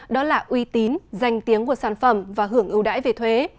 đó là uy tín danh tiếng của sản phẩm và hưởng ưu đãi về thuế